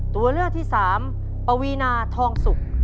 ตัวเลือกที่สามปวีนาทองสุก